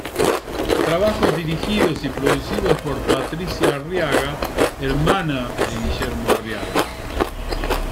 Trabajos dirigidos y producidos por Patricia Arriaga, hermana de Guillermo Arriaga.